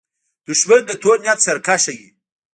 دښمن د تور نیت سرکښه وي